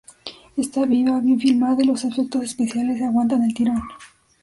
Está viva, bien filmada y los efectos especiales aguantan el tirón.